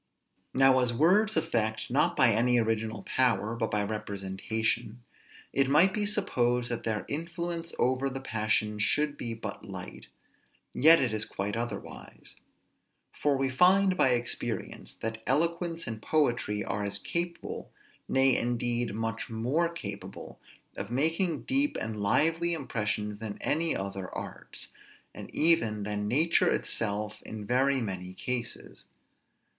Now, as words affect, not by any original power, but by representation, it might be supposed, that their influence over the passions should be but light; yet it is quite otherwise; for we find by experience, that eloquence and poetry are as capable, nay indeed much more capable, of making deep and lively impressions than any other arts, and even than nature itself in very many cases.